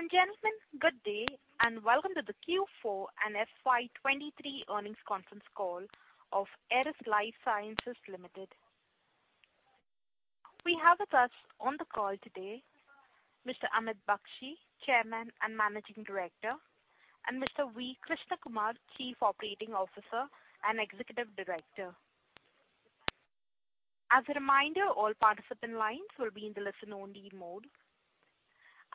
Ladies and gentlemen, good day, and welcome to the Q4 and FY23 earnings conference call of Eris Lifesciences Limited. We have with us on the call today Mr. Amit Bakshi, Chairman and Managing Director, and Mr. V. Krishna Kumar, Chief Operating Officer and Executive Director. As a reminder, all participant lines will be in the listen-only mode,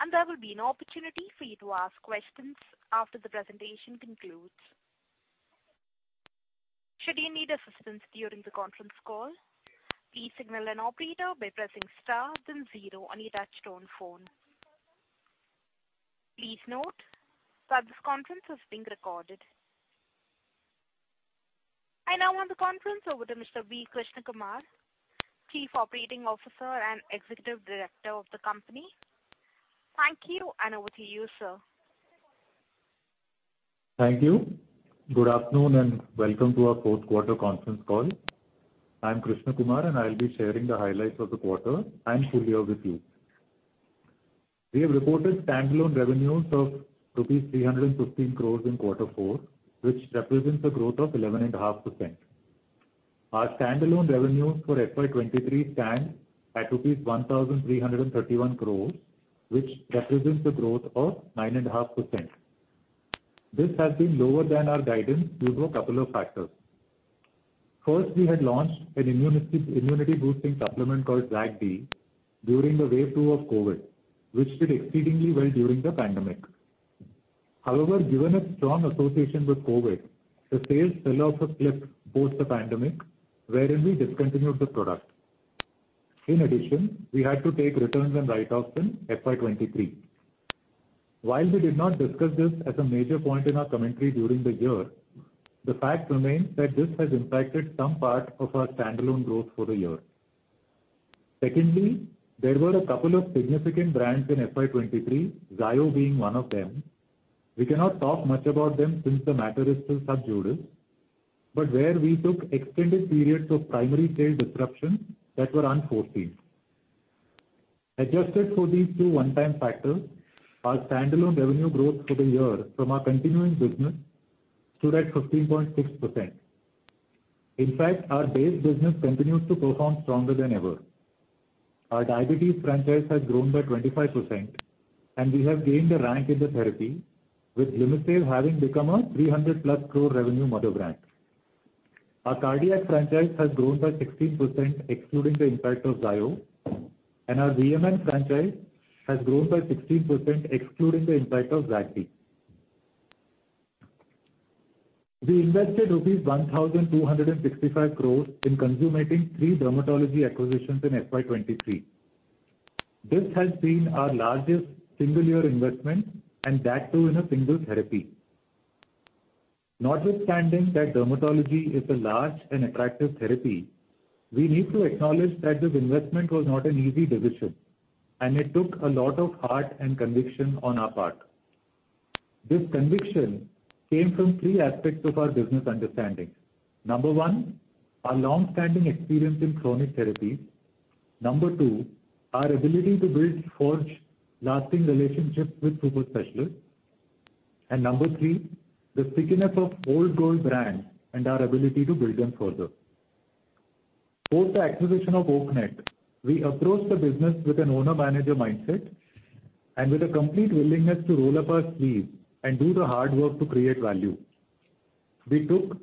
and there will be an opportunity for you to ask questions after the presentation concludes. Should you need assistance during the conference call, please signal an operator by pressing star then 0 on your touchtone phone. Please note that this conference is being recorded. I now hand the conference over to Mr. V. Krishna Kumar, Chief Operating Officer and Executive Director of the company. Thank you, over to you, sir. Thank you. Good afternoon, welcome to our fourth quarter conference call. I'm Krishna Kumar, I'll be sharing the highlights of the quarter and full year with you. We have reported standalone revenues of INR 315 crores in quarter four, which represents a growth of 11.5%. Our standalone revenues for FY23 stand at rupees 1,331 crores, which represents a growth of 9.5%. This has been lower than our guidance due to a couple of factors. First, we had launched an immunity-boosting supplement called ZygBEE during the wave 2 of COVID, which did exceedingly well during the pandemic. Given its strong association with COVID, the sales sell-off was flipped post the pandemic wherein we discontinued the product. We had to take returns and write-offs in FY23. While we did not discuss this as a major point in our commentary during the year, the fact remains that this has impacted some part of our standalone growth for the year. There were a couple of significant brands in FY 23, Zayo being one of them. We cannot talk much about them since the matter is still sub judice, but where we took extended periods of primary sales disruptions that were unforeseen. Adjusted for these two one-time factors, our standalone revenue growth for the year from our continuing business stood at 15.6%. In fact, our base business continues to perform stronger than ever. Our diabetes franchise has grown by 25%, and we have gained a rank in the therapy with Glimisave having become a 300+ crore revenue mother brand. Our cardiac franchise has grown by 16%, excluding the impact of Zayo, and our VMN franchise has grown by 16% excluding the impact of Zygbee. We invested rupees 1,265 crores in consummating 3 dermatology acquisitions in FY23. This has been our largest single year investment, and that too in a single therapy. Notwithstanding that dermatology is a large and attractive therapy, we need to acknowledge that this investment was not an easy decision, and it took a lot of heart and conviction on our part. This conviction came from 3 aspects of our business understanding. Number 1, our long-standing experience in chronic therapies. Number 2, our ability to build forge lasting relationships with super specialists. Number 3, the stickiness of old gold brands and our ability to build them further. Post the acquisition of Oaknet, we approached the business with an owner-manager mindset and with a complete willingness to roll up our sleeves and do the hard work to create value. We took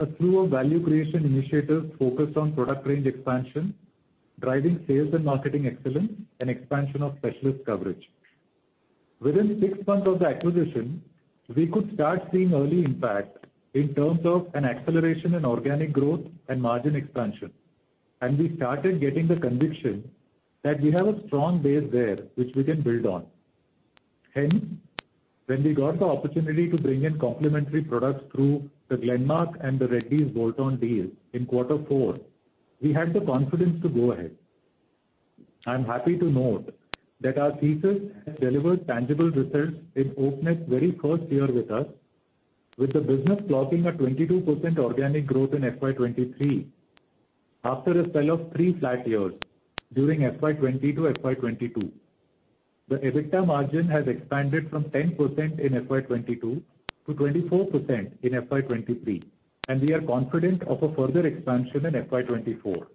a slew of value creation initiatives focused on product range expansion, driving sales and marketing excellence, and expansion of specialist coverage. Within six months of the acquisition, we could start seeing early impact in terms of an acceleration in organic growth and margin expansion, and we started getting the conviction that we have a strong base there which we can build on. Hence, when we got the opportunity to bring in complementary products through the Glenmark and the Dr. Reddy's bolt-on deal in quarter four, we had the confidence to go ahead. I'm happy to note that our thesis has delivered tangible results in Oaknet's very first year with us, with the business clocking a 22% organic growth in FY 2023 after a spell of 3 flat years during FY 2020 to FY 2022. The EBITDA margin has expanded from 10% in FY 2022 to 24% in FY 2023. We are confident of a further expansion in FY 2024.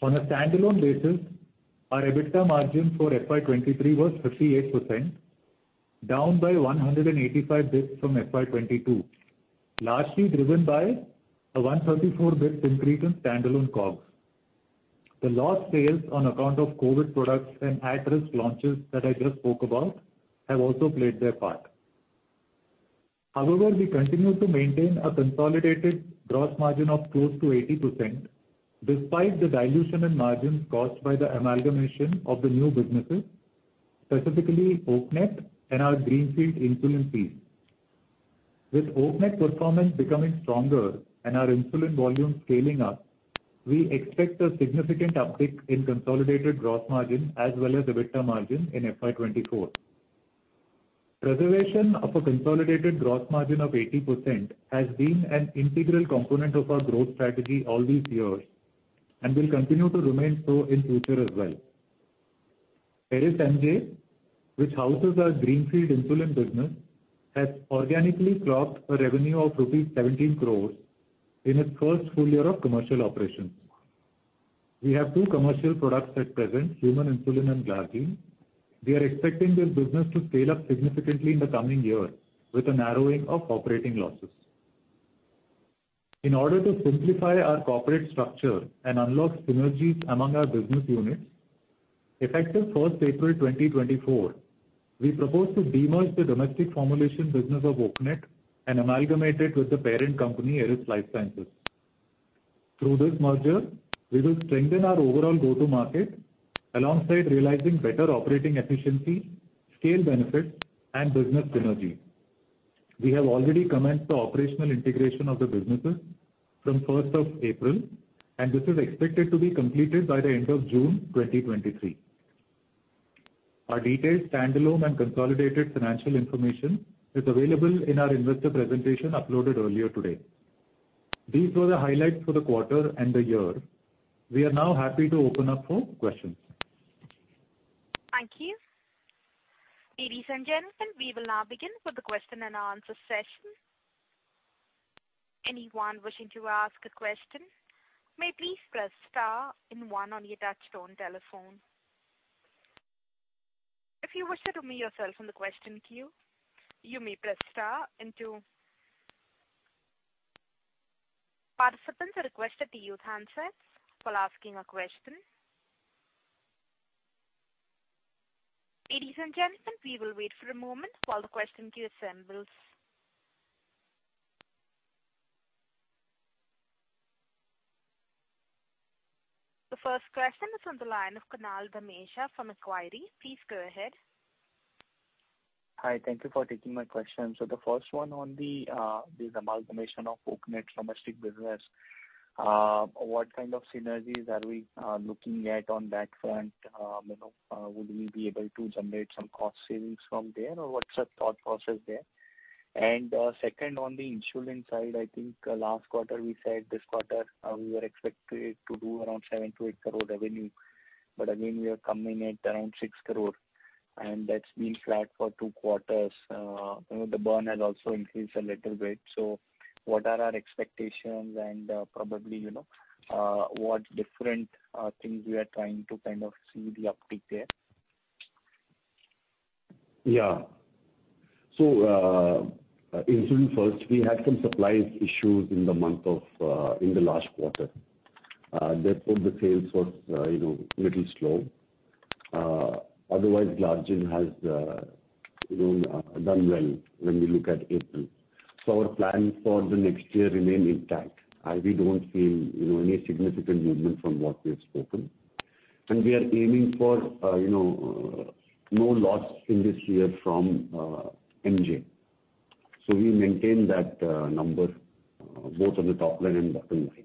On a standalone basis, our EBITDA margin for FY 2023 was 58%, down by 185 bps from FY 2022, largely driven by a 134 bps increase in standalone COGS. The lost sales on account of COVID products and at-risk launches that I just spoke about have also played their part. We continue to maintain a consolidated gross margin of close to 80% despite the dilution in margins caused by the amalgamation of the new businesses, specifically Oaknet and our greenfield Insulin piece. With Oaknet performance becoming stronger and our insulin volumes scaling up, we expect a significant uptick in consolidated gross margin as well as EBITDA margin in FY 2024. Preservation of a consolidated gross margin of 80% has been an integral component of our growth strategy all these years, will continue to remain so in future as well. Eris MJ, which houses our greenfield insulin business, has organically clocked a revenue of rupees 17 crores in its first full year of commercial operations. We have two commercial products at present, human insulin and glargine. We are expecting this business to scale up significantly in the coming year with a narrowing of operating losses. In order to simplify our corporate structure and unlock synergies among our business units, effective April 1, 2024, we propose to demerge the domestic formulation business of Oaknet and amalgamate it with the parent company, Eris Lifesciences. Through this merger, we will strengthen our overall go-to-market alongside realizing better operating efficiency, scale benefits, and business synergy. We have already commenced the operational integration of the businesses from 1st of April. This is expected to be completed by the end of June 2023. Our detailed standalone and consolidated financial information is available in our investor presentation uploaded earlier today. These were the highlights for the quarter and the year. We are now happy to open up for questions. Thank you. Ladies and gentlemen, we will now begin with the question-and-answer session. Anyone wishing to ask a question may please press star and 1 on your touch-tone telephone. If you wish to remove yourself from the question queue, you may press star and 2. Participants are requested to use handsets while asking a question. Ladies and gentlemen, we will wait for a moment while the question queue assembles. The first question is on the line of Kunal Damecha from Equirus. Please go ahead. Hi, thank you for taking my question. The first one on the this amalgamation of Oaknet's domestic business, what kind of synergies are we looking at on that front? You know, would we be able to generate some cost savings from there, or what's the thought process there? Second, on the insulin side, I think last quarter we said this quarter, we were expected to do around 7-8 crore revenue, but again, we are coming at around 6 crore, and that's been flat for two quarters. You know, the burn has also increased a little bit. What are our expectations and probably, you know, what different things we are trying to kind of see the uptick there? Insulin first, we had some supply issues in the month of in the last quarter. Therefore the sales was, you know, little slow. Otherwise glargine has, you know, done well when we look at April. Our plans for the next year remain intact, as we don't see, you know, any significant movement from what we have spoken. We are aiming for, you know, no loss in this year from MJ. We maintain that number both on the top line and bottom line.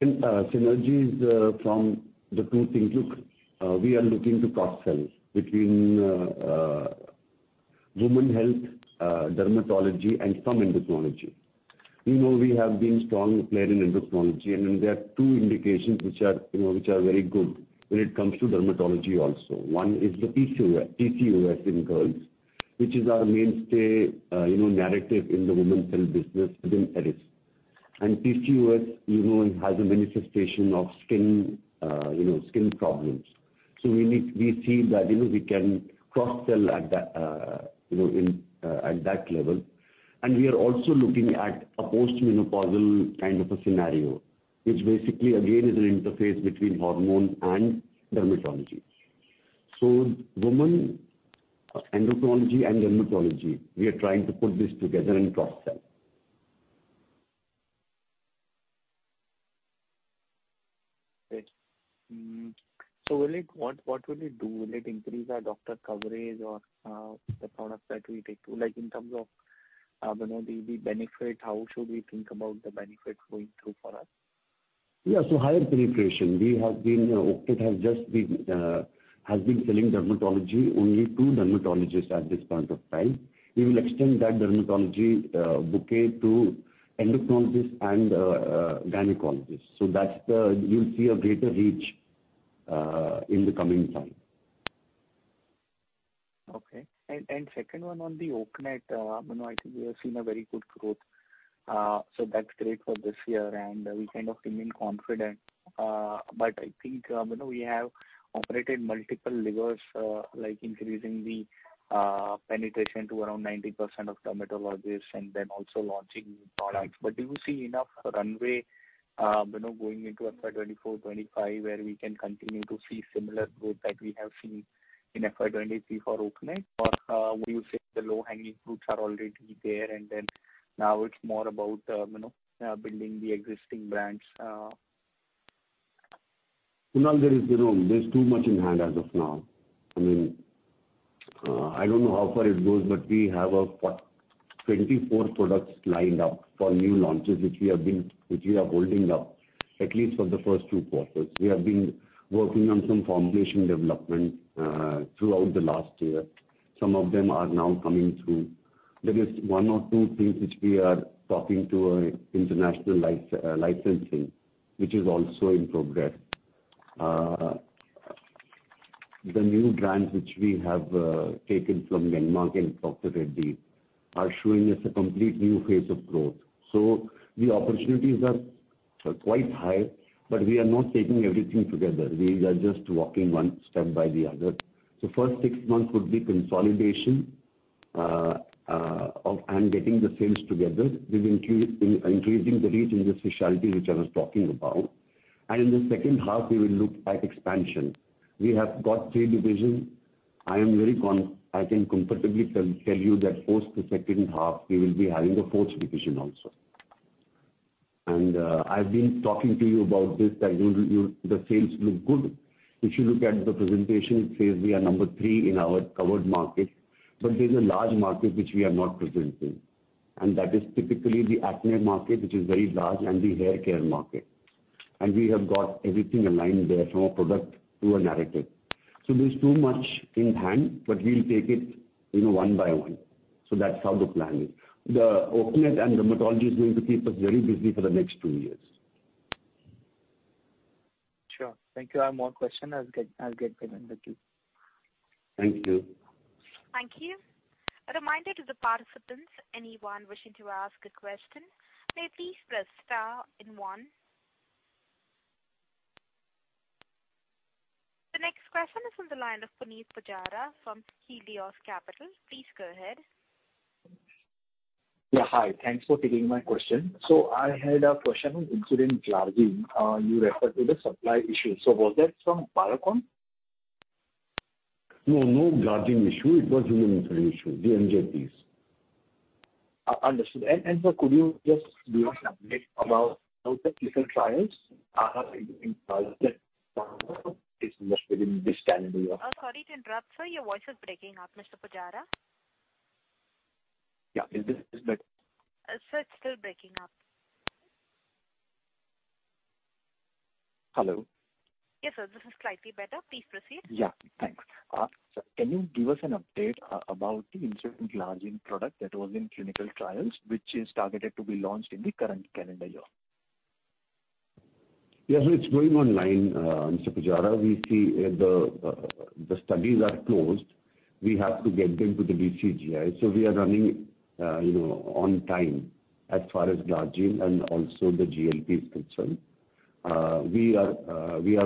In synergies from the two things, look, we are looking to cross-sell between women health, dermatology and some endocrinology. You know, we have been strong player in endocrinology, there are two indications which are, you know, which are very good when it comes to dermatology also. One is the PCOS in girls, which is our mainstay, you know, narrative in the women's health business within Eris. PCOS, you know, has a manifestation of skin, you know, skin problems. We see that, you know, we can cross-sell at that, you know, in, at that level. We are also looking at a post-menopausal kind of a scenario, which basically again is an interface between hormone and dermatology. Women endocrinology and dermatology, we are trying to put this together and cross-sell. Great. what will it do? Will it increase our doctor coverage or the products that we take to... Like, in terms of, you know, the benefit, how should we think about the benefit going through for us? Yeah. Higher penetration. Oaknet has just been selling dermatology only to dermatologists at this point of time. We will extend that dermatology bouquet to endocrinologists and gynecologists. You'll see a greater reach in the coming time. Okay. Second one on the Oaknet, you know, I think we have seen a very good growth. So that's great for this year, and we kind of feeling confident. I think, you know, we have operated multiple levers, like increasing the penetration to around 90% of dermatologists and then also launching products. Do you see enough runway, you know, going into FY 2024-2025, where we can continue to see similar growth that we have seen in FY 2023 for Oaknet? Would you say the low-hanging fruits are already there, and then now it's more about, you know, building the existing brands? Kunal, there is, you know, there's too much in hand as of now. I mean, I don't know how far it goes, but we have 24 products lined up for new launches, which we are holding up at least for the first two quarters. We have been working on some formulation development throughout the last year. Some of them are now coming through. There is one or two things which we are talking to a international licensing, which is also in progress. The new brands which we have taken from Glenmark and Dr. Reddy's are showing us a complete new phase of growth. The opportunities are quite high, but we are not taking everything together. We are just walking one step by the other. The first six months would be consolidation of and getting the sales together. We'll include increasing the reach and the specialty which I was talking about. In the second half we will look at expansion. We have got three divisions. I can comfortably tell you that post the second half we will be having the fourth division also. I've been talking to you about this, that you'll. The sales look good. If you look at the presentation, it says we are number three in our covered market, there's a large market which we are not presenting, and that is typically the acne market, which is very large, and the hair care market. We have got everything aligned there from a product to a narrative. There's too much in hand, but we'll take it, you know, one by one. That's how the plan is. The openness and dermatology is going to keep us very busy for the next two years. Sure. Thank you. I have more question. I'll get back with you. Thank you. Thank you. A reminder to the participants, anyone wishing to ask a question, may please press star and one. The next question is from the line of Punit Pujara from Helios Capital. Please go ahead. Yeah, hi. Thanks for taking my question. I had a question on Insulin Glargine. You referred to the supply issue. Was that from Biocon? No, no glargine issue. It was human issue, the NPH. Understood. Sir, could you just give us an update about the clinical trials are happening in Glargine within this calendar year? Sorry to interrupt, sir. Your voice is breaking up, Mr. Pujara. Yeah. Is this better? Sir, it's still breaking up. Hello. Yes, sir. This is slightly better. Please proceed. Yeah, thanks. Can you give us an update about the Insulin Glargine product that was in clinical trials, which is targeted to be launched in the current calendar year? It's going online, Mr. Pujara. We see, the studies are closed. We have to get them to the DCGI. We are running, you know, on time as far as glargine and also the GLP-1 is concerned. We are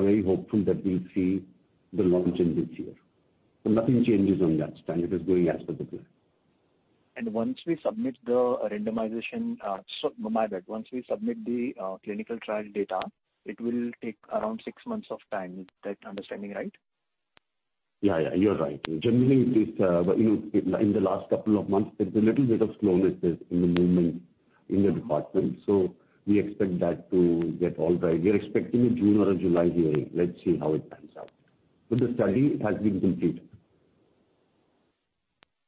very hopeful that we'll see the launch in this year. Nothing changes on that plan. It is going as per the plan. Once we submit the randomization, so my bad, once we submit the clinical trial data, it will take around six months of time. Is that understanding right? Yeah, yeah, you're right. Generally, it is, you know, in the last couple of months, there's a little bit of slowness there in the movement in the department. We expect that to get all right. We are expecting a June or a July hearing. Let's see how it pans out. The study has been completed.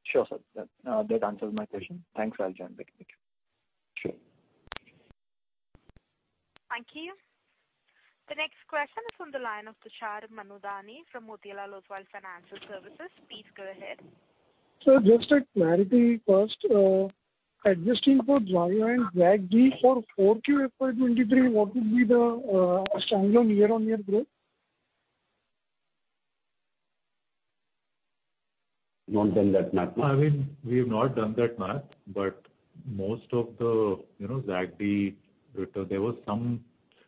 Sure, sir. That, that answers my question. Thanks. I'll jump back. Thank you. Sure. Thank you. The next question is from the line of Tushar Manudhane from Motilal Oswal Financial Services. Please go ahead. Sir, just a clarity first. Adjusting for Zayo and Zygbee for 4Q FY23, what would be the stronger year-on-year growth? Not done that math, no? I mean, we have not done that math, but most of the, you know, Zygbee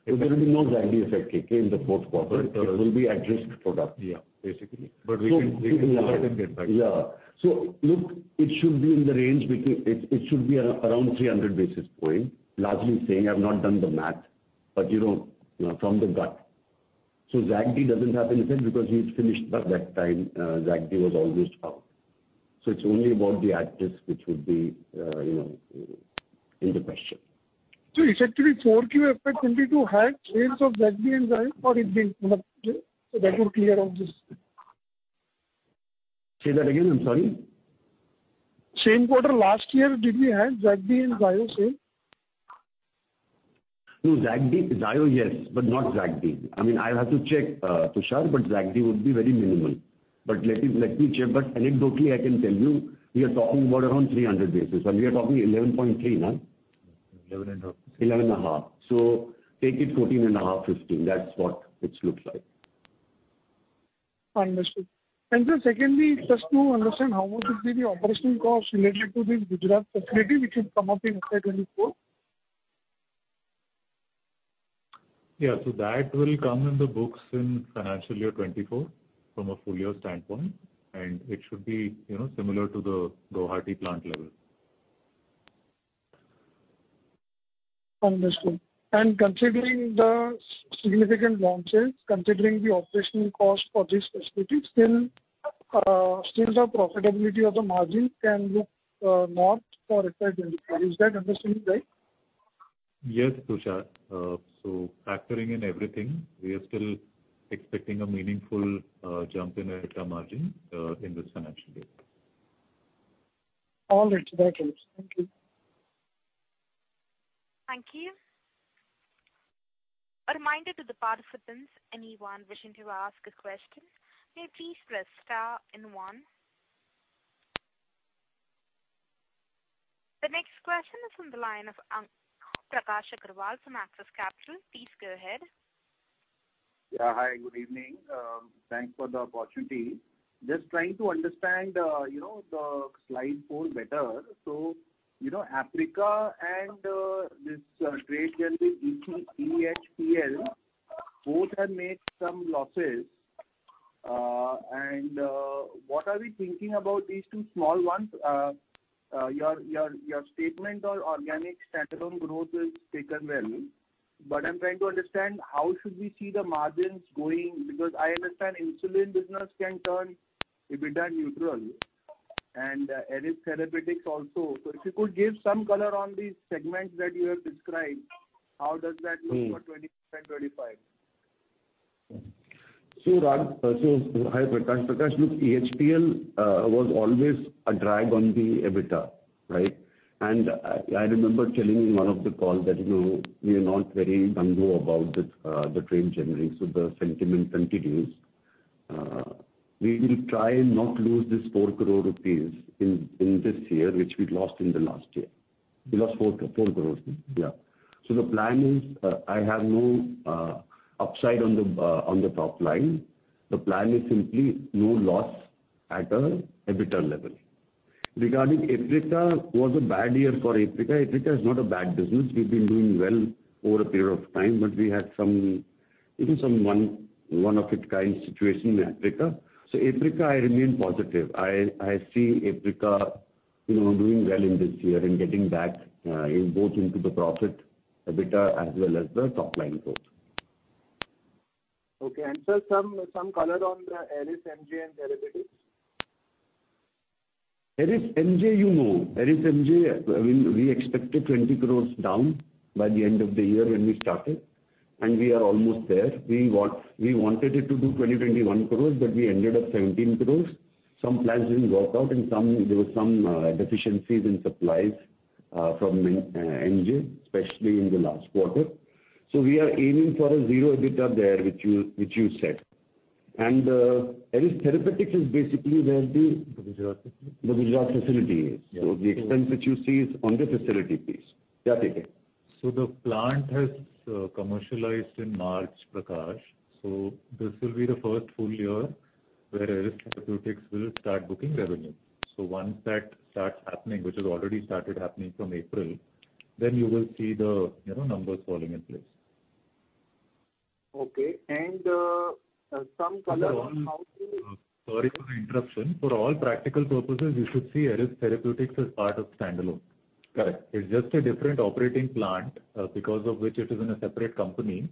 return. There will be no Zygbee effect, KK, in the fourth quarter. It will be at-risk product. Yeah. Basically. We can go ahead and get back to you. Yeah. Look, it should be in the range between... It should be around 300 basis point. Largely saying I've not done the math, but you know, from the gut. Zygbee doesn't have anything because we'd finished by that time. Zygbee was almost out. It's only about the at-risk which would be, you know, in the question. It's actually 4Q FY22 had sales of Zygbee and Zayo, or it being not there. That will clear out this. Say that again, I'm sorry. Same quarter last year, did we have Zygbee and Zayo sale? No Zygbee. Zayo, yes, but not in Zygbee. I mean, I'll have to check, Tushar, but Zygbee would be very minimal. Let me, let me check, but anecdotally, I can tell you, we are talking about around 300 basis, and we are talking 11.3%, no? 11 and a half. 11.5. Take it 14.5, 15. That's what it looks like. I understand. Sir, secondly, just to understand how would it be the operational cost related to this Gujarat facility which would come up in FY24? Yeah. That will come in the books in financial year 2024 from a full year standpoint, and it should be, you know, similar to the Guwahati plant level. Understood. Considering the significant launches, considering the operational cost for this facility, still the profitability of the margin can look north for FY 2025. Is that understanding right? Yes, Tushar. Factoring in everything, we are still expecting a meaningful jump in EBITDA margin in this financial year. All good. That helps. Thank you. Thank you. A reminder to the participants, anyone wishing to ask a question, may please press star and one. The next question is from the line of Prakash Agarwal from Axis Capital. Please go ahead. Yeah. Hi, good evening. Thanks for the opportunity. Just trying to understand, you know, the slide 4 better. You know, Aprica and this trade generating EHPL both have made some losses. What are we thinking about these two small ones? your statement on organic standalone growth is taken well, but I'm trying to understand how should we see the margins going? I understand Insulin business can turn EBITDA neutral and Eris Therapeutics also. If you could give some color on these segments that you have described, how does that look for 2024 and 2025? Hi, Prakash. Prakash, look, EHPL was always a drag on the EBITDA, right? I remember telling you in one of the calls that, you know, we are not very gung-ho about the trade generating, so the sentiment continues. We will try and not lose this 4 crore rupees in this year, which we lost in the last year. We lost 4 crore rupees. Yeah. The plan is, I have no upside on the top line. The plan is simply no loss at a EBITDA level. Regarding Aprica, it was a bad year for Aprica. Aprica is not a bad business. We've been doing well over a period of time, but we had some, you know, some one of its kind situation in Aprica. Aprica, I remain positive. I see Aprica, you know, doing well in this year and getting back in both into the profit EBITDA as well as the top line growth. Okay. Sir, some color on the Eris MJ and Eris Therapeutics. Eris MJ, you know. Eris MJ, I mean, we expected 20 crores down by the end of the year when we started, and we are almost there. We wanted it to do 20-21 crores, but we ended up 17 crores. Some plans didn't work out and some, there were some deficiencies in supplies from MJ, especially in the last quarter. We are aiming for a zero EBITDA there, which you said. Eris Therapeutics is basically where the Gujarat facility. The Gujarat facility is. Yes. The expense that you see is on the facility piece. Yeah, TK. The plant has commercialized in March, Prakash. This will be the first full year where Eris Therapeutics will start booking revenue. Once that starts happening, which has already started happening from April, then you will see the, you know, numbers falling in place. Okay. some color on how... Sorry for the interruption. For all practical purposes, you should see Eris Therapeutics as part of standalone. Correct. It's just a different operating plant, because of which it is in a separate company,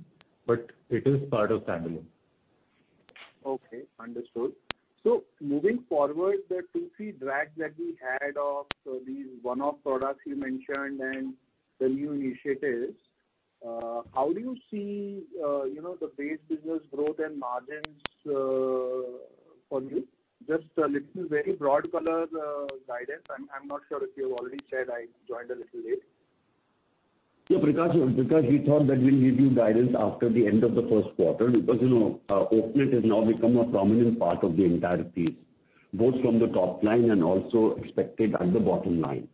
but it is part of standalone. Okay, understood. Moving forward, the 2, 3 drags that we had of these one-off products you mentioned and the new initiatives, how do you see, you know, the base business growth and margins for you? Just a little very broad color, guidance. I'm not sure if you've already said. I joined a little late. Yeah, Prakash, because we thought that we'll give you guidance after the end of the first quarter because, you know, Oaknet has now become a prominent part of the entire piece, both from the top line and also expected at the bottom line.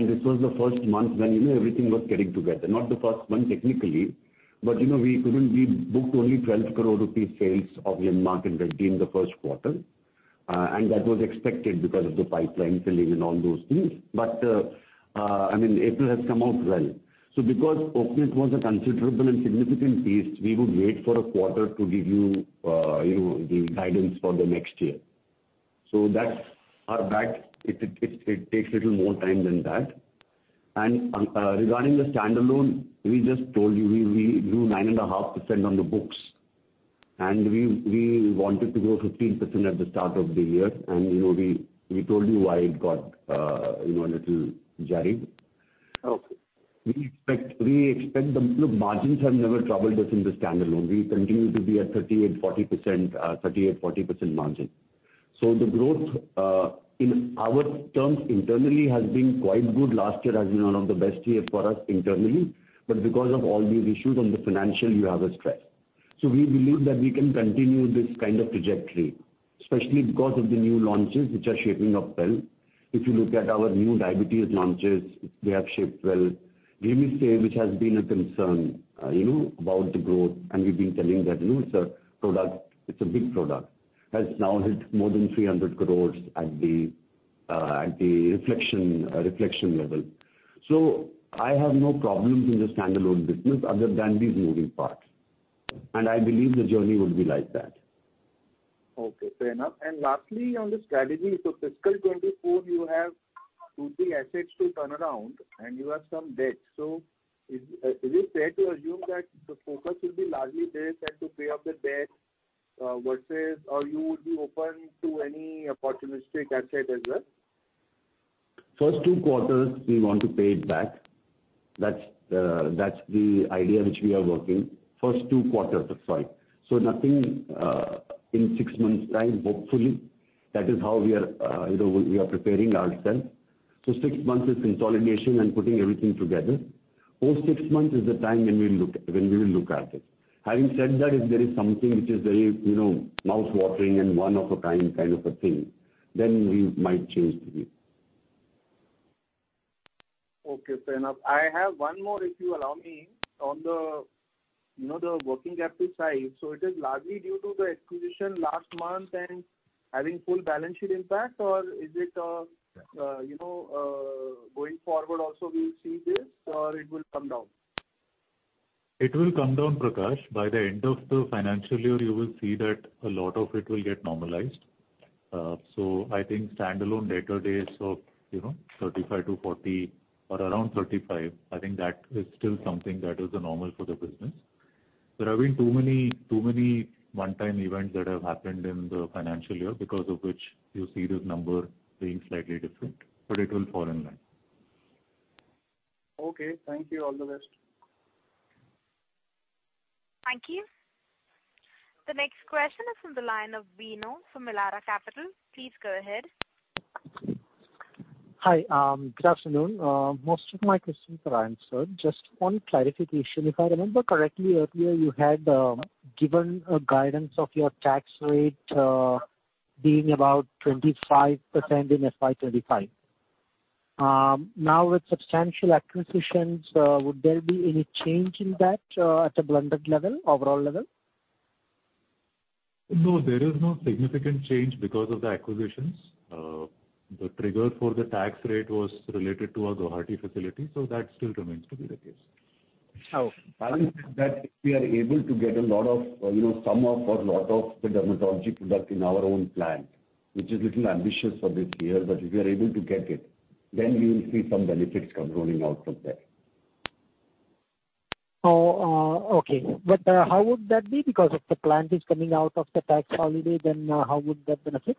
This was the first month when, you know, everything was getting together. Not the first month technically, but you know, we booked only 12 crore rupee sales of Onabet and Demelan in the first quarter. That was expected because of the pipeline filling and all those things. I mean, April has come out well. Because Oaknet was a considerable and significant piece, we would wait for a quarter to give you know, the guidance for the next year. That's our back. It takes a little more time than that. Regarding the standalone, we just told you, we grew 9.5% on the books, and we wanted to grow 15% at the start of the year. You know, we told you why it got, you know, a little jarred. Okay. We expect. Look, margins have never troubled us in the standalone. We continue to be at 38%-40% margin. The growth in our terms internally has been quite good. Last year has been one of the best year for us internally. Because of all these issues on the financial, you have a stress. We believe that we can continue this kind of trajectory, especially because of the new launches which are shaping up well. If you look at our new diabetes launches, they have shaped well. Remylin, which has been a concern, you know, about the growth, and we've been telling that, you know, it's a product, it's a big product, has now hit more than 300 crores at the reflection level. I have no problems in the standalone business other than these moving parts. I believe the journey will be like that. Okay, fair enough. lastly, on the strategy. fiscal 2024, you have two, three assets to turn around and you have some debt. is it fair to assume that the focus will be largely there, that to pay off the debt, versus or you would be open to any opportunistic asset as well? First two quarters, we want to pay it back. That's the idea which we are working. First two quarters of five. Nothing in six months' time, hopefully. That is how we are, you know, we are preparing ourselves. Six months is consolidation and putting everything together. Post six months is the time when we will look at it. Having said that, if there is something which is very, you know, mouth-watering and one-of-a-kind thing, then we might change the view. Okay, fair enough. I have one more, if you allow me, on the, you know, the working capital side. It is largely due to the acquisition last month and having full balance sheet impact? Or is it, you know, going forward also we'll see this or it will come down? It will come down, Prakash. By the end of the financial year, you will see that a lot of it will get normalized. I think standalone net-to-days of, you know, 35 to 40 or around 35, I think that is still something that is normal for the business. There have been too many one-time events that have happened in the financial year because of which you see this number being slightly different, but it will fall in line. Okay, thank you. All the best. Thank you. The next question is from the line of Bino Pathiparampil from Elara Capital. Please go ahead. Hi, good afternoon. Most of my questions are answered. Just one clarification. If I remember correctly, earlier you had given a guidance of your tax rate being about 25% in FY 2025. Now with substantial acquisitions, would there be any change in that at a blended level, overall level? There is no significant change because of the acquisitions. The trigger for the tax rate was related to our Guwahati facility, so that still remains to be the case. How- Having said that, we are able to get a lot of, you know, some of or lot of the dermatology product in our own plant, which is little ambitious for this year. If we are able to get it, then we will see some benefits come rolling out from there. Okay. How would that be? Because if the plant is coming out of the tax holiday, then how would that benefit?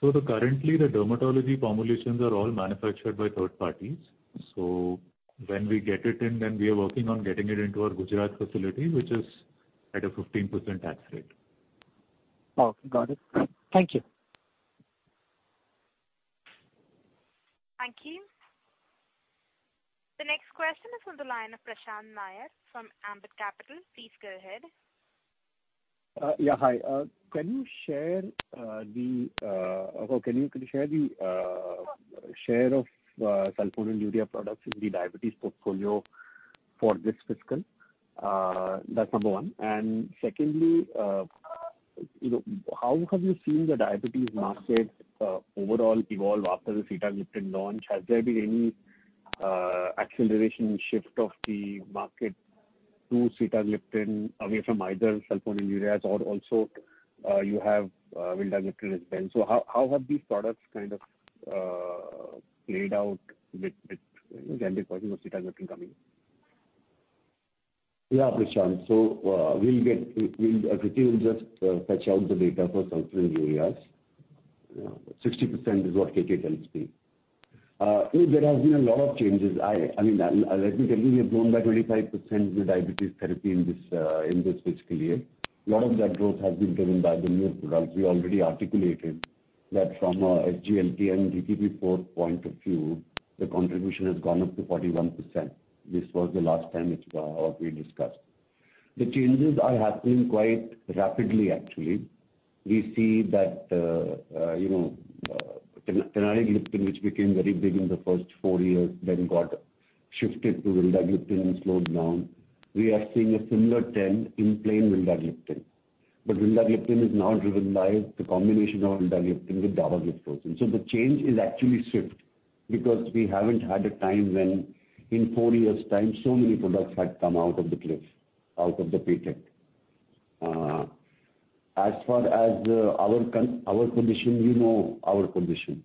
Currently the dermatology formulations are all manufactured by third parties. When we get it in, we are working on getting it into our Gujarat facility, which is at a 15% tax rate. Okay, got it. Thank you. Thank you. The next question is on the line of Prashant Nair from Ambit Capital. Please go ahead. Yeah. Hi. Can you share the share of sulfonylurea products in the diabetes portfolio for this fiscal? That's number one. Secondly, you know, how have you seen the diabetes market overall evolve after the sitagliptin launch? Has there been any acceleration shift of the market to sitagliptin away from either sulfonylureas or also, you have vildagliptin as well? How have these products kind of played out with, you know, generic version of sitagliptin coming? Prashant. Kruti will just fetch out the data for sulfonylureas. 60% is what KK tells me. Look, there has been a lot of changes. I mean, let me tell you, we have grown by 25% in the diabetes therapy in this fiscal year. A lot of that growth has been driven by the newer products. We already articulated that from a SGLT and DPP-4 point of view, the contribution has gone up to 41%. This was the last time it or we discussed. The changes are happening quite rapidly actually. We see that, you know, linagliptin which became very big in the first four years, then got shifted to vildagliptin and slowed down. We are seeing a similar trend in plain vildagliptin. Vildagliptin is now driven by the combination of vildagliptin with dapagliflozin. The change is actually swift because we haven't had a time when in four years' time, so many products had come out of the cliff, out of the patent. As far as our condition, you know our condition.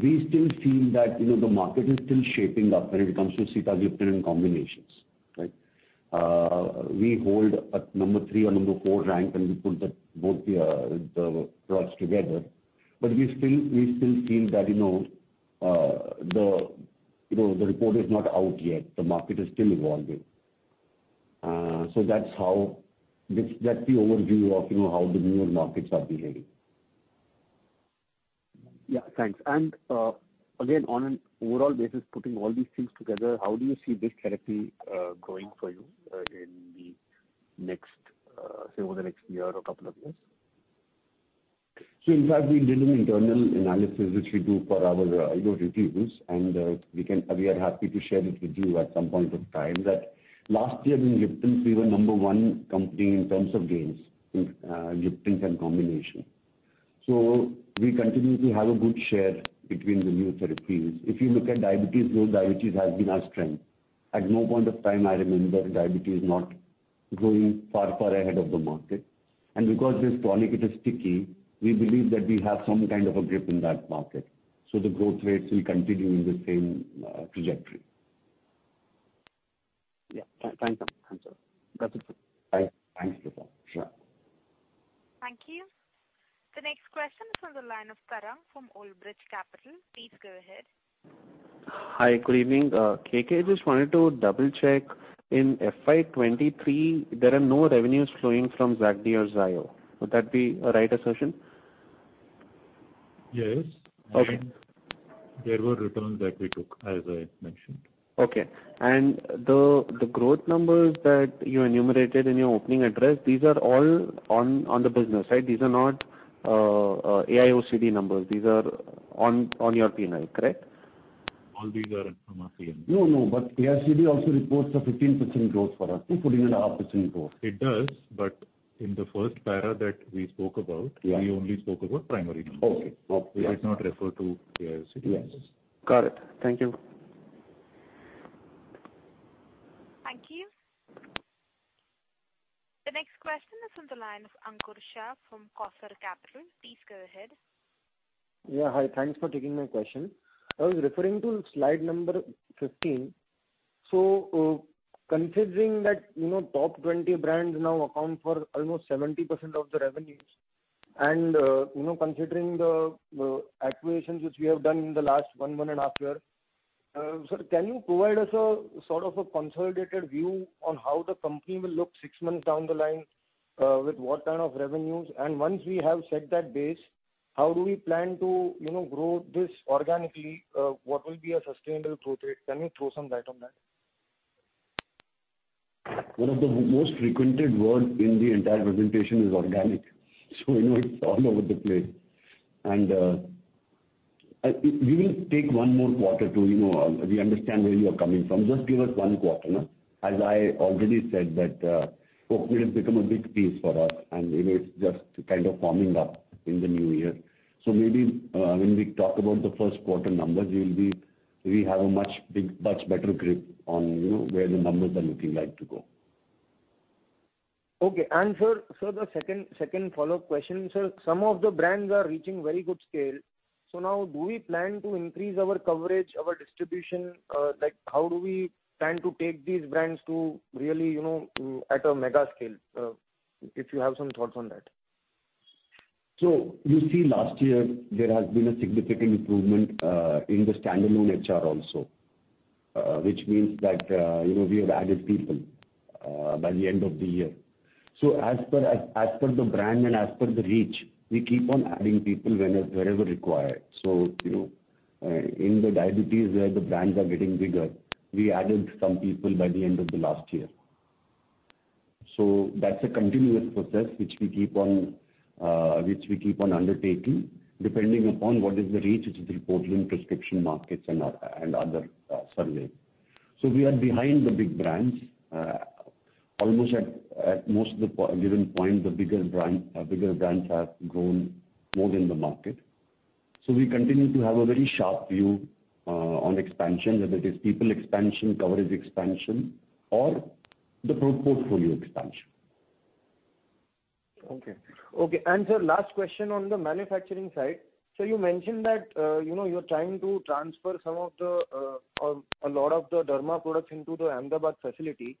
We still feel that, you know, the market is still shaping up when it comes to sitagliptin combinations, right? We hold a number three or number four rank, and we put the, both the products together. We still feel that, you know, the, you know, the report is not out yet. The market is still evolving. That's how. That's the overview of, you know, how the newer markets are behaving. Yeah, thanks. Again, on an overall basis, putting all these things together, how do you see this therapy growing for you in the next, say, over the next year or couple of years? In fact, we did an internal analysis which we do for our, you know, reviews, and we are happy to share it with you at some point of time that last year in gliptins we were number one company in terms of gains in gliptins and combination. We continue to have a good share between the new therapies. If you look at diabetes growth, diabetes has been our strength. At no point of time I remember diabetes not growing far, far ahead of the market. Because this product, it is sticky, we believe that we have some kind of a grip in that market. The growth rates will continue in the same trajectory. Yeah. Thanks, sir. Thanks, sir. That's it. Bye. Thanks, Deepak. Sure. Thank you. The next question is on the line of Tarang from Old Bridge Capital. Please go ahead. Hi, good evening. KK, just wanted to double-check. In FY 23, there are no revenues flowing from Zayo or Zayo. Would that be a right assertion? Yes. Okay. There were returns that we took, as I mentioned. Okay. The growth numbers that you enumerated in your opening address, these are all on the business, right? These are not AIOCD numbers. These are on your P&L, correct? All these are from our P&L. No, no. AIOCD also reports a 15% growth for us, 14.5% growth. It does, but in the first para that we spoke about- Yeah. We only spoke about primary numbers. Okay. Yes. We did not refer to AIOCD numbers. Yes. Got it. Thank you. Thank you. The next question is on the line of Ankur Shah from Quasar Capital. Please go ahead. Yeah. Hi, thanks for taking my question. I was referring to slide number 15. Considering that, you know, top 20 brands now account for almost 70% of the revenues and, you know, considering the acquisitions which we have done in the last 1 and half year, sir, can you provide us a sort of a consolidated view on how the company will look 6 months down the line, with what kind of revenues? Once we have set that base, how do we plan to, you know, grow this organically? What will be a sustainable growth rate? Can you throw some light on that? One of the most frequented word in the entire presentation is organic, so you know, it's all over the place. take 1 more quarter to, you know, we understand where you are coming from. Just give us 1 quarter, no? As I already said that, Oaknet has become a big piece for us and, you know, it's just kind of forming up in the new year. maybe, when we talk about the 1st quarter numbers, we have a much big, much better grip on, you know, where the numbers are looking like to go. Okay. Sir, the second follow-up question? Sir, some of the brands are reaching very good scale. Now do we plan to increase our coverage, our distribution? like, how do we plan to take these brands to really, you know, at a mega scale? if you have some thoughts on that? You see last year there has been a significant improvement in the standalone HR also, which means that, you know, we have added people by the end of the year. As per the brand and as per the reach, we keep on adding people whenever required. You know, in the diabetes where the brands are getting bigger, we added some people by the end of the last year. That's a continuous process which we keep on, which we keep on undertaking depending upon what is the reach which is reporting prescription markets and other surveys. We are behind the big brands. Almost at most of the given point, the bigger brands have grown more in the market. We continue to have a very sharp view, on expansion, whether it is people expansion, coverage expansion or the portfolio expansion. Okay. Okay. Sir, last question on the manufacturing side. Sir, you mentioned that, you know, you're trying to transfer a lot of the derma products into the Ahmedabad facility.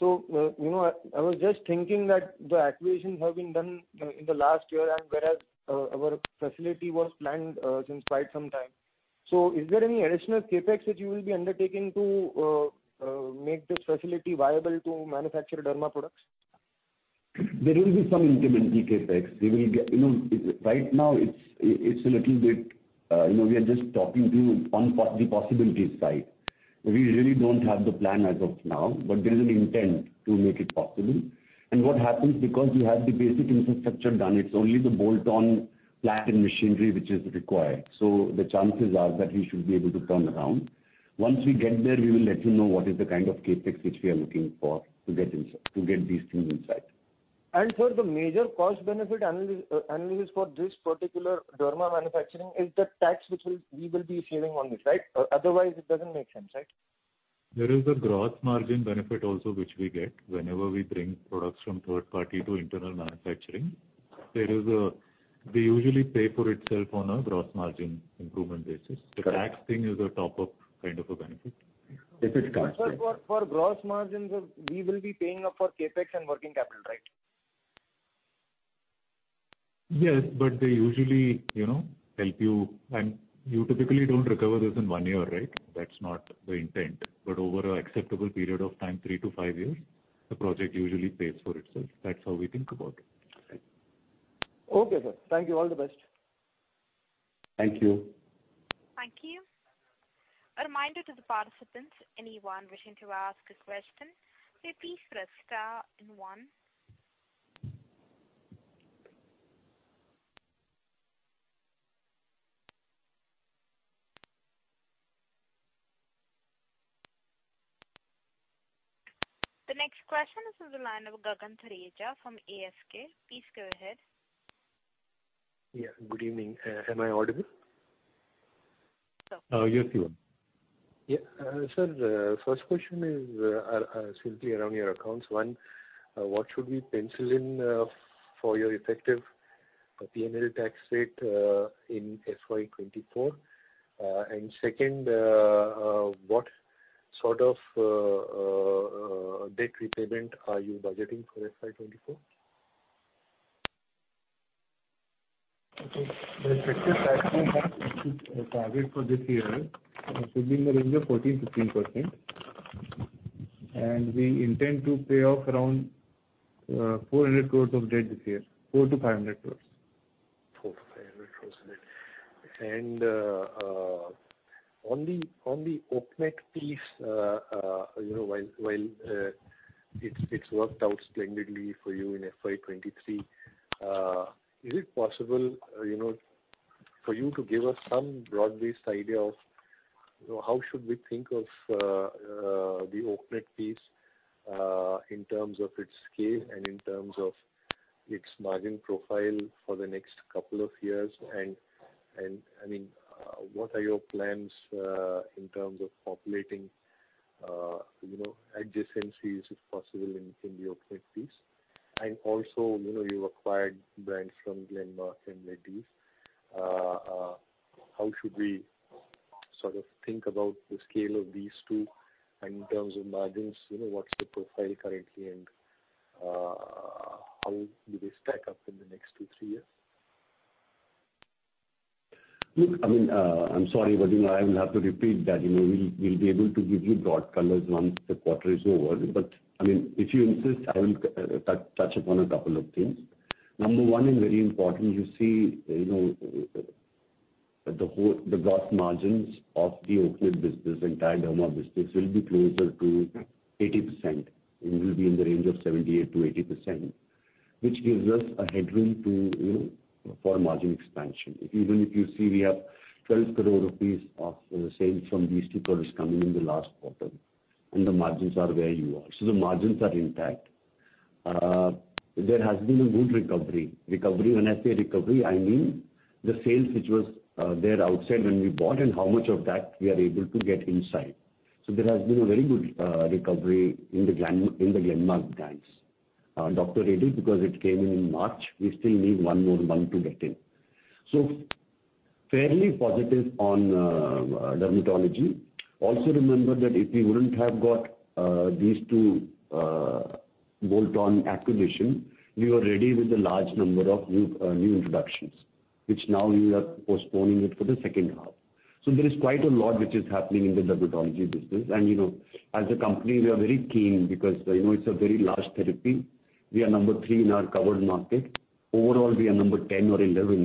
You know, I was just thinking that the acquisitions have been done in the last year and whereas, our facility was planned since quite some time. Is there any additional CapEx which you will be undertaking to make this facility viable to manufacture derma products? There will be some incremental CapEx. You know, it, right now it's a little bit, you know, we are just talking to the possibilities side. We really don't have the plan as of now, but there is an intent to make it possible. What happens because we have the basic infrastructure done, it's only the bolt-on plant and machinery which is required. The chances are that we should be able to turn around. Once we get there, we will let you know what is the kind of CapEx which we are looking for to get inside, to get these things inside. Sir, the major cost benefit analysis for this particular derma manufacturing is the tax which will, we will be saving on this, right? Otherwise it doesn't make sense, right? There is a gross margin benefit also which we get whenever we bring products from third party to internal manufacturing. We usually pay for itself on a gross margin improvement basis. Correct. The tax thing is a top-up kind of a benefit. If it comes, right? Sir, for gross margins, we will be paying up for CapEx and working capital, right? Yes, but they usually, you know, help you, and you typically don't recover this in one year, right? That's not the intent. Over an acceptable period of time, three to five years, the project usually pays for itself. That's how we think about it. Okay. Okay, sir. Thank you. All the best. Thank you. Thank you. A reminder to the participants, anyone wishing to ask a question, please press star 1. The next question is on the line of Gagan Thareja from ASK. Please go ahead. Good evening. Am I audible? Yes, you are. Yeah. Sir, first question is, simply around your accounts. One, what should we pencil in? The P&L tax rate in FY 2024? Second, what sort of debt repayment are you budgeting for FY 2024? Okay. The effective tax rate that we've targeted for this year should be in the range of 14%-15%. We intend to pay off around 400 crores of debt this year, 400-500 crores. 400-500 crores. On the Oaknet piece, you know, while it's worked out splendidly for you in FY23, is it possible, you know, for you to give us some broad-based idea of how should we think of the Oaknet piece in terms of its scale and in terms of its margin profile for the next couple of years? I mean, what are your plans in terms of populating, you know, adjacencies, if possible, in the Oaknet piece. Also, you know, you acquired brands from Glenmark and Medley. How should we sort of think about the scale of these two? In terms of margins, you know, what's the profile currently, and how do they stack up in the next 2-3 years? Look, I mean, I'm sorry, Vadim, I will have to repeat that. You know, we'll be able to give you broad colors once the quarter is over. I mean, if you insist, I will touch upon a couple of things. Number one is very important. You see, you know, the gross margins of the Oaknet business, entire pharma business will be closer to 80%. It will be in the range of 78%-80%, which gives us a headroom to, you know, for margin expansion. Even if you see we have 12 crore rupees of sales from these two products coming in the last quarter, and the margins are where you are. The margins are intact. There has been a good recovery. Recovery, when I say recovery, I mean the sales which was there outside when we bought and how much of that we are able to get inside. There has been a very good recovery in the Glenmark brands. Dr. Reddy's, because it came in in March, we still need one more month to get in. Fairly positive on dermatology. Remember that if we wouldn't have got these two bolt-on acquisition, we were ready with a large number of new introductions, which now we are postponing it for the second half. There is quite a lot which is happening in the dermatology business. You know, as a company, we are very keen because, you know, it's a very large therapy. We are number three in our covered market. Overall, we are number 10 or 11,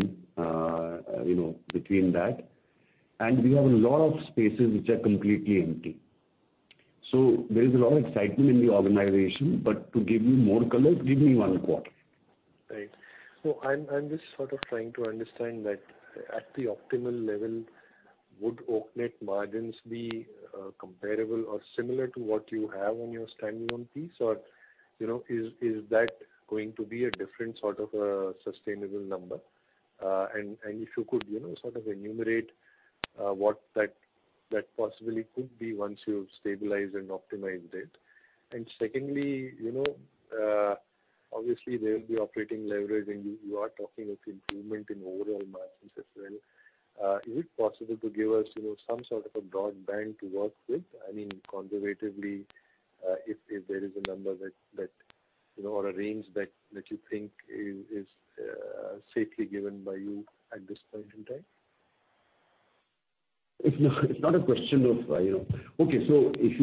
you know, between that. We have a lot of spaces which are completely empty. There's a lot of excitement in the organization. To give you more color, give me one quarter. Right. I'm just sort of trying to understand that at the optimal level, would Oaknet margins be comparable or similar to what you have on your standalone piece? You know, is that going to be a different sort of a sustainable number? If you could, you know, sort of enumerate what that possibly could be once you've stabilized and optimized it. Secondly, you know, obviously, there will be operating leverage, and you are talking of improvement in overall margins as well. Is it possible to give us, you know, some sort of a broad band to work with? I mean, conservatively, if there is a number that, you know, or a range that you think is safely given by you at this point in time. It's not a question of, you know. Okay, if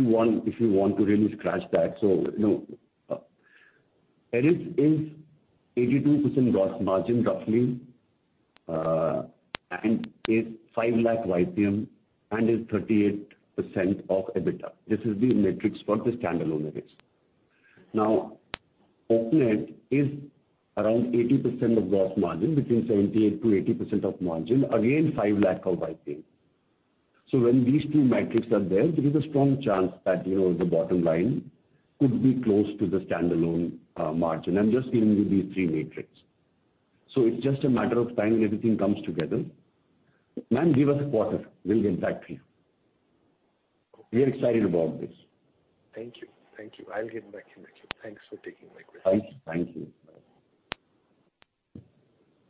you want to really scratch that. You know, Eris is 82% gross margin roughly, and is 5 lakh YPM, and is 38% of EBITDA. This is the metrics for the standalone Eris. Oaknet is around 80% of gross margin, between 78%-80% of margin. 5 lakh of YPM. When these two metrics are there is a strong chance that, you know, the bottom line could be close to the standalone margin. I'm just giving you these three metrics. It's just a matter of time everything comes together. Ma'am, give us a quarter. We'll get back to you. We are excited about this. Thank you. Thank you. I'll get back to you. Thanks for taking my question. Thank you. Thank you.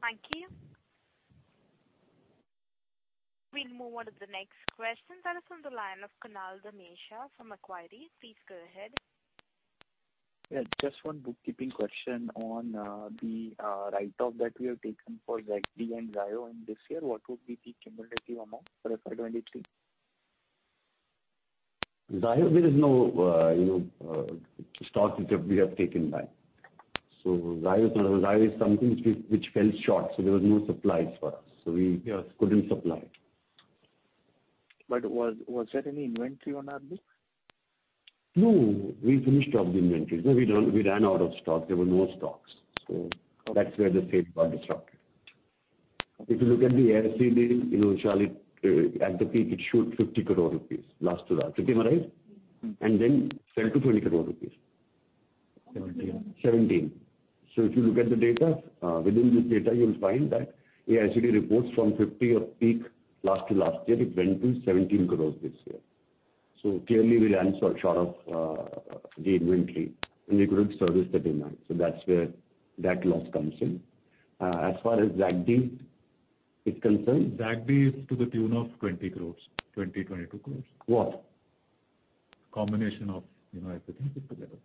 Thank you. We'll move on to the next question that is on the line of Kunal Damecha from Equirus. Please go ahead. Just one bookkeeping question on the write-off that we have taken for ZygBEE and Zayo in this year. What would be the cumulative amount for FY 2023? Zayo, there is no, you know, stock we have taken back. Zayo is something which fell short, so there was no supplies for us. Yes. couldn't supply. Was there any inventory on our book? We finished off the inventory. We ran out of stock. There were no stocks. That's where the sales got disrupted. If you look at the ASCVD, you know, at the peak, it showed 50 crore rupees last year. Did you memorize? Mm-hmm. 10-20 crore rupees. Seventeen. 17. If you look at the data, within this data, you'll find that ASCVD reports from 50 of peak last to last year, it went to 17 crore this year. Clearly we ran short of the inventory and we couldn't service the demand. That's where that loss comes in. As far as Zygbee is concerned. Zygbee is to the tune of 20 crores, 20, 22 crores. What? Combination of, you know, everything put together.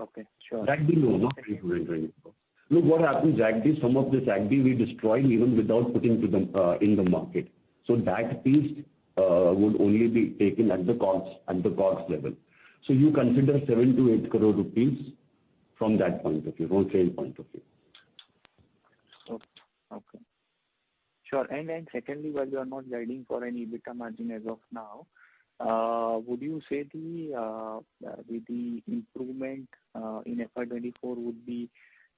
Okay, sure. Zygbee, no, not INR 22 crore. Look what happened Zygbee, some of the Zygbee we destroyed even without putting to the in the market. That piece would only be taken at the cost, at the cost level. You consider 7-8 crore rupees from that point of view, wholesale point of view. Okay. Sure. Secondly, while you are not guiding for any EBITDA margin as of now, would you say the with the improvement in FY 2024 would be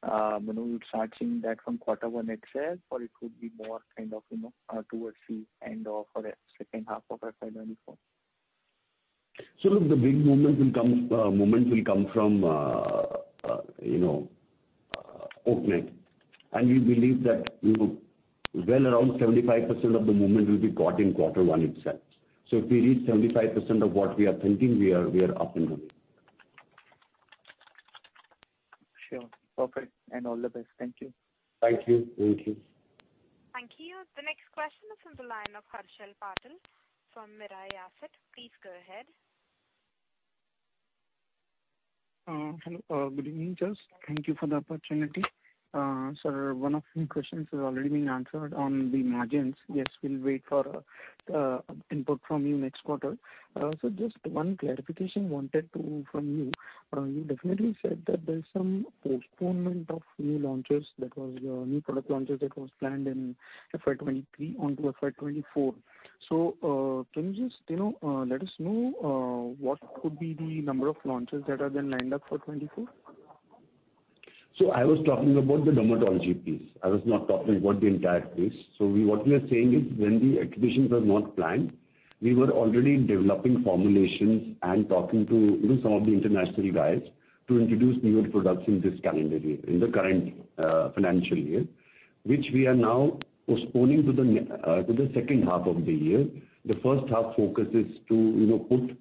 when we would start seeing that from Q1 itself, or it could be more kind of, you know, towards the end of or second half of FY 2024? Look, the big movement will come, moment will come from, you know, Oaknet. We believe that, you know, well around 75% of the movement will be got in quarter one itself. If we reach 75% of what we are thinking, we are up and running. Sure. Perfect. All the best. Thank you. Thank you. Thank you. Thank you. The next question is from the line of Harshal Patil from Mirae Asset. Please go ahead. Hello. Good evening, just thank you for the opportunity. Sir, one of my questions has already been answered on the margins. Yes, we'll wait for input from you next quarter. Just one clarification wanted from you. You definitely said that there's some postponement of new launches, that was new product launches that was planned in FY23 onto FY24. Can you just, you know, let us know what could be the number of launches that are then lined up for 24? I was talking about the dermatology piece. I was not talking about the entire piece. What we are saying is, when the acquisitions were not planned, we were already developing formulations and talking to, you know, some of the international guys to introduce newer products in this calendar year, in the current financial year, which we are now postponing to the second half of the year. The first half focus is to, you know, put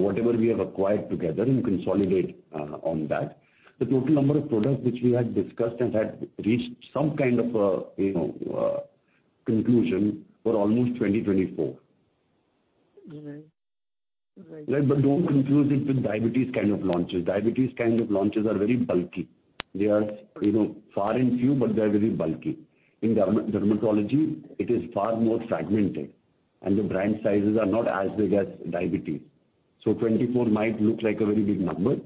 whatever we have acquired together and consolidate on that. The total number of products which we had discussed and had reached some kind of a, you know, conclusion were almost 20, 24. Right. Right. Don't confuse it with diabetes kind of launches. Diabetes kind of launches are very bulky. They are, you know, far and few, but they're very bulky. In dermatology it is far more fragmented, and the brand sizes are not as big as diabetes. So 24 might look like a very big number,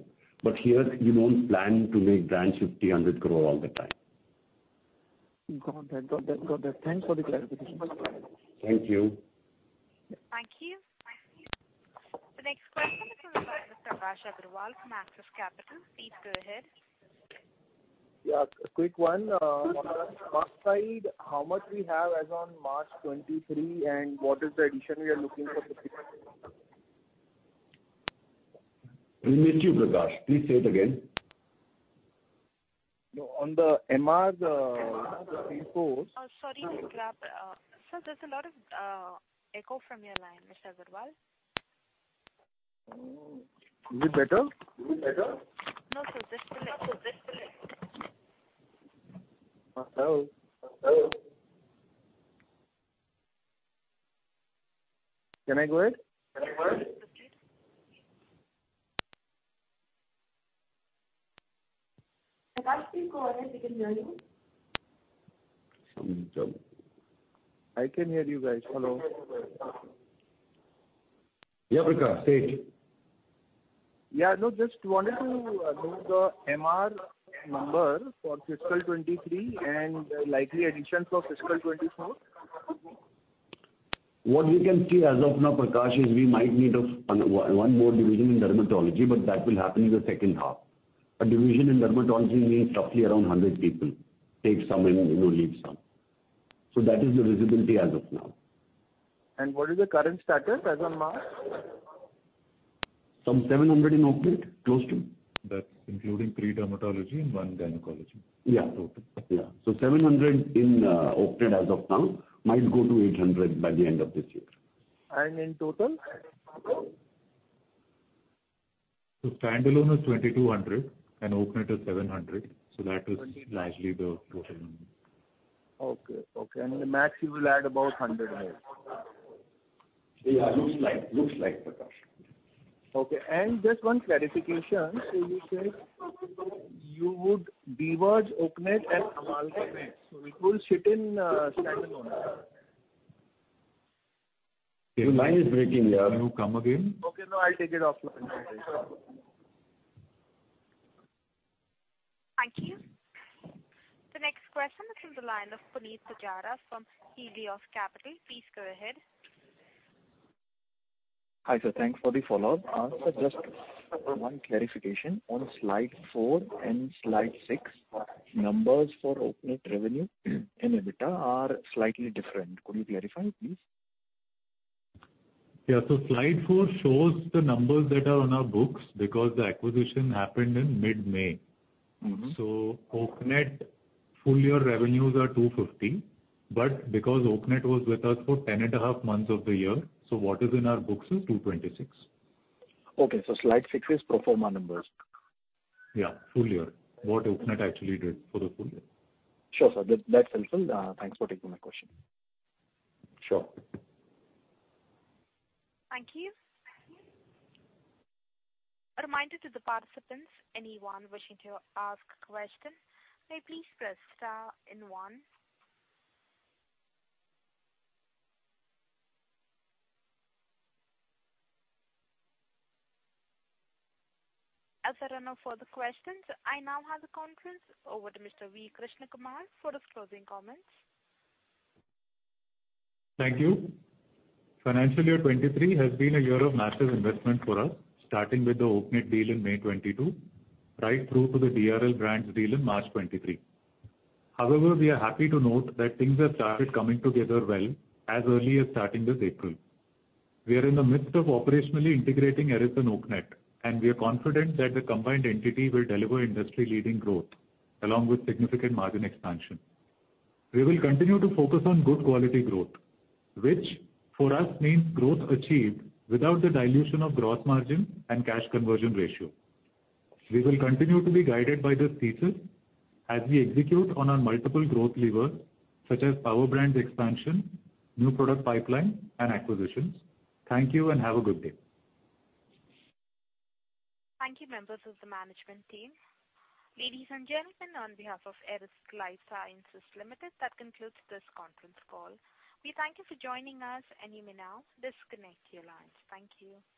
but here you don't plan to make brands 50 crore, 100 crore all the time. Got that. Got that. Got that. Thanks for the clarification. Thank you. Thank you. The next question is from Mr. Prakash Agarwal from Axis Capital. Please go ahead. Yeah, a quick one. On the MR side, how much we have as on March 23 and what is the addition we are looking for fiscal 24? We missed you, Prakash. Please say it again. No, on the MR, twenty-four-. Sorry to interrupt. Sir, there's a lot of echo from your line, Mr. Agarwal. Is it better? Is it better? No, sir. Just a little. Hello? Can I go ahead? Prakash, please go ahead. We can hear you. I can hear you guys. Hello. Yeah, Prakash. Say it. Yeah. No, just wanted to know the MR number for fiscal 23 and likely additions for fiscal 24. What we can see as of now, Prakash, is we might need one more division in dermatology, but that will happen in the second half. A division in dermatology means roughly around 100 people. Take some in, you know, leave some. That is the visibility as of now. What is the current status as on March? Some 700 in Oaknet, close to. That's including 3 dermatology and 1 gynecology. Yeah. Total. Yeah. 700 in Oaknet as of now, might go to 800 by the end of this year. In total? The standalone is 2,200 and Oaknet is 700. That is largely the total number. Okay. Okay. In the max you will add about 100 here. Yeah, looks like. Looks like, Prakash. Okay. Just one clarification. You said you would demerge Oaknet and Amal again. It will sit in standalone. Your line is breaking, yeah. Can you come again? Okay, no, I'll take it offline. Thank you. The next question is from the line of Punit Pujara from Helios Capital. Please go ahead. Hi, sir. Thanks for the follow-up. Sir, just one clarification. On slide four and slide six, numbers for Oaknet revenue and EBITDA are slightly different. Could you clarify please? Yeah. Slide four shows the numbers that are on our books because the acquisition happened in mid-May. Mm-hmm. Oaknet full year revenues are 250, but because Oaknet was with us for 10 and a half months of the year, so what is in our books is 226. Okay. slide 6 is pro forma numbers. Yeah, full year. What Oaknet actually did for the full year. Sure, sir. That's helpful. Thanks for taking my question. Sure. Thank you. A reminder to the participants, anyone wishing to ask question, may please press star and one. As there are no further questions, I now hand the conference over to Mr. V. Krishna Kumar for his closing comments. Thank you. Financial year 2023 has been a year of massive investment for us, starting with the Oaknet deal in May 2022, right through to the Dr. Reddy's Laboratories brands deal in March 2023. We are happy to note that things have started coming together well as early as starting this April. We are in the midst of operationally integrating Eris and Oaknet, and we are confident that the combined entity will deliver industry-leading growth along with significant margin expansion. We will continue to focus on good quality growth, which for us means growth achieved without the dilution of gross margin and cash conversion ratio. We will continue to be guided by this thesis as we execute on our multiple growth levers such as power brands expansion, new product pipeline, and acquisitions. Thank you and have a good day. Thank you, members of the management team. Ladies and gentlemen, on behalf of Eris Lifesciences Limited, that concludes this conference call. We thank you for joining us and you may now disconnect your lines. Thank you.